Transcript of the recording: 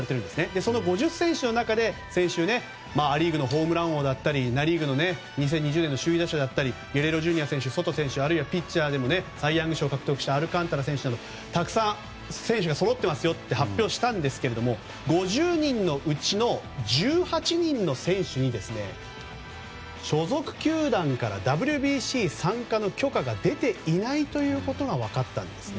その５０選手の中で、先週ア・リーグのホームラン王だったりナ・リーグの２０２０年の首位打者だったりゲレーロＪｒ．選手、ソト選手ピッチャーでもサイ・ヤング賞をとったアルカンタラ選手などたくさん選手がそろっていますよと発表したんですけれども５０人のうちの１８人の選手に所属球団からＷＢＣ参加の許可が出ていないことが分かったんですね。